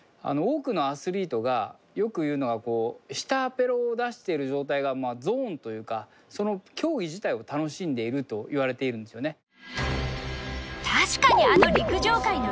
多くのアスリートがよく言うのが舌ペロを出している状態がゾーンというかその競技自体を楽しんでいるといわれているんですよね。